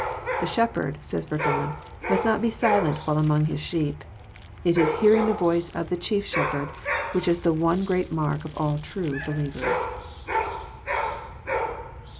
''The shepherd," says Burgon, *' must not be silent while among his sheep." It is hearing the voice of the Chief Shepherd which is one great mark of all true believers* JOHN X.